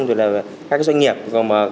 về các doanh nghiệp họ có thể giúp đỡ đúng nhau